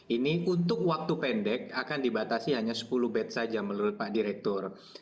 ini untuk waktu pendek akan dibatasi hanya sepuluh bed saja menurut pak direktur